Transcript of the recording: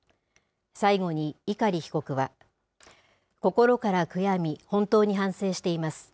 最後に碇被告は、心から悔やみ、本当に反省しています。